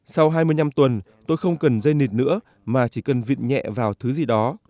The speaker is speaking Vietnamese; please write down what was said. sau hai mươi năm tuần tôi không cần dây nịt nữa mà chỉ cần vịn nhẹ vào thứ gì đó